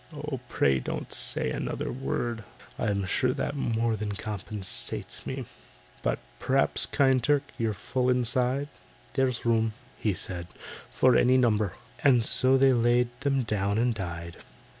"Oh, pray don't say another word, I'm sure that more than compensates me. "But p'r'aps, kind Turk, you're full inside?" "There's room," said he, "for any number." And so they laid them down and died.